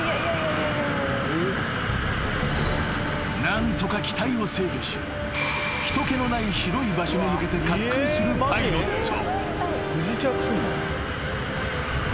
［何とか機体を制御し人けのない広い場所に向けて滑空するパイロット］